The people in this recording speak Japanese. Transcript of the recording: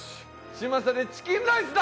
嶋佐で『チキンライス』だ！